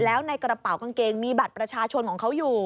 แล้วในกระเป๋ากางเกงมีบัตรประชาชนของเขาอยู่